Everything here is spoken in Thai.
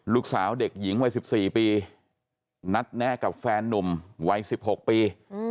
ลูกสาวเด็กหญิงวัย๑๔ปีนัดแนะกับแฟนนุ่มวัย๑๖ปี